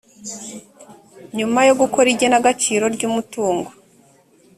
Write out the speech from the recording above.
nyuma yo gukora igenagaciro ry umutungo